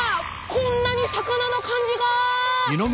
こんなに魚の漢字が！